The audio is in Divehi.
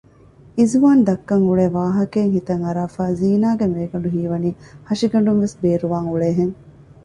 އިޒުވާނު ދައްކަން އުޅޭ ވާހަކައެއް ހިތަން އަރާފައި ޒީނާގެ މޭގަނޑު ހީވަނީ ހަށިގަނޑުންވެސް ބޭރުވާން އުޅޭހެން